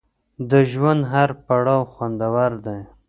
د ژوند هر پړاو خوندور دی.